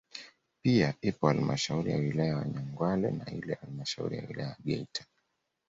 Pia ipo halmashauri ya wilaya ya Nyangwale na ile halmashauri ya wilaya ya Geita